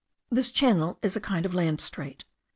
This channel is a kind of land strait.